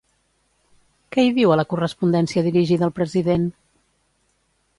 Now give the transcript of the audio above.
Què hi diu a la correspondència dirigida al president?